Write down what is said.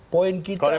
poin kita adalah